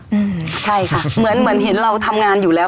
ใช่ค่ะเหมือนเห็นเราทำงานอยู่แล้ว